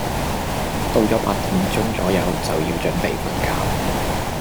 到左八點鐘左右就要準備瞓覺